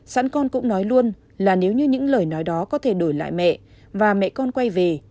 sẵn con cũng nói luôn là nếu như những lời nói đó có thể đổi lại mẹ và mẹ con quay về